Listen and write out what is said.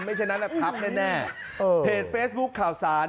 ไม่ใช่นั้นนะทับแน่เพจเฟสบุ๊คข่าวสาร